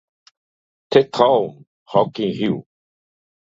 The Town, rock in rio